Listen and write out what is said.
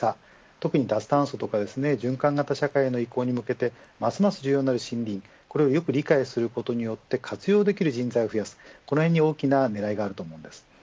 特に脱炭素や循環型社会の移行に向けてますます重要になる森林をよく理解することによって活用できる人材を増やすというところに狙いがあります。